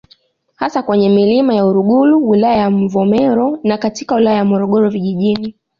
Hasa kwenye Milima ya Uluguru wilaya ya Mvomero na katika wilaya ya Morogoro vijijini